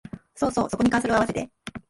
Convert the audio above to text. そうそう、そこにカーソルをあわせて